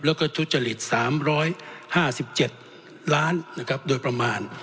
แล้วก็ทุจริต๓๕๗ล้านนะครับโดยประมาณ